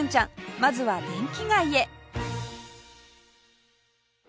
まずは電気街へ